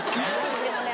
でもね